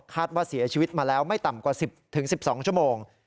คาดว่าเสียชีวิตมาแล้วไม่ต่ำกว่า๑๐๑๒ชั่วโมง